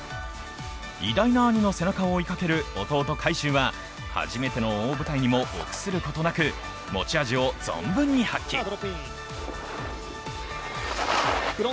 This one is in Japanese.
偉大な兄の背中を追いかける弟・海祝は初めての大舞台にも臆することなく持ち味を存分に発揮。